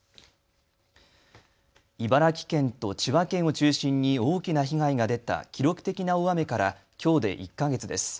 茨城県と千葉県を中心に大きな被害が出た記録的な大雨からきょうで１か月です。